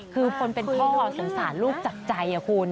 คือคนเป็นพ่อสงสารลูกจากใจคุณ